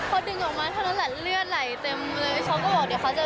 พอดึงออกมาเท่านั้นแหละเลือดไหลเต็มเลย